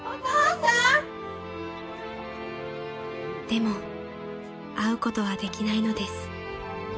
［でも会うことはできないのです］